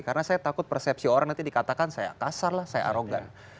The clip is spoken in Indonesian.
karena saya takut persepsi orang nanti dikatakan saya kasar lah saya arogan